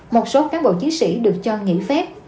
một số cán bộ chiến sĩ được cho nghỉ phép